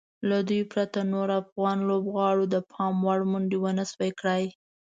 له دوی پرته نورو افغان لوبغاړو د پام وړ منډې ونشوای کړای.